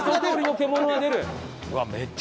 うわっ！